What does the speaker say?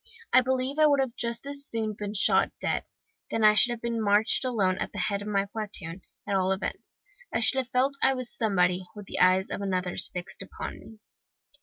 I believe I would have just as soon been shot dead then I should have marched alone at the head of my platoon, at all events; I should have felt I was somebody, with the eyes of others fixed upon me.